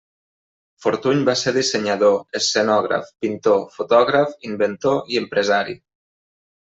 Fortuny va ser dissenyador, escenògraf, pintor, fotògraf, inventor i empresari.